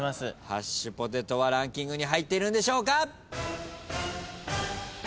ハッシュポテトはランキングに入っているんでしょうか？